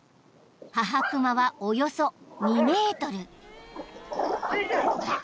［母熊はおよそ２ｍ］